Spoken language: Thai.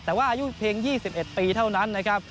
แต่ว่าอายุเพียง๒๑ปีเท่านั้นนะครับ